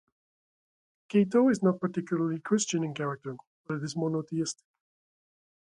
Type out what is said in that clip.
Cato is not particularly Christian in character, but it is monotheistic.